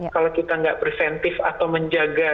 kalau kita nggak preventif atau menjaga